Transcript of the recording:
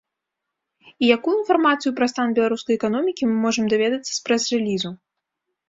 І якую інфармацыю пра стан беларускай эканомікі мы можам даведацца з прэс-рэлізу?